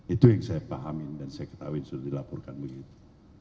itu yang saya pahamin dan saya ketahui sudah dilaporkan begitu